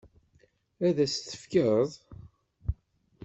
Ad as-tt-tefkeḍ?